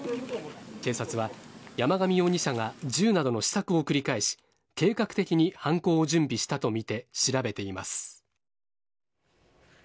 警察は山上容疑者が銃などの試作を繰り返し計画的に犯行を準備したとみて調べています。